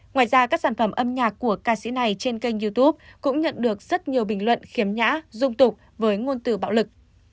ngoài ra các sản phẩm âm nhạc của ca sĩ này trên kênh youtube cũng nhận được rất nhiều bình luận khiếm nhã dung tục với ngôn từ bạo lực